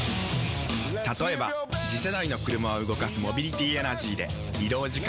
例えば次世代の車を動かすモビリティエナジーでまジカ⁉人間！